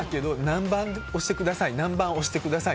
何番押してください。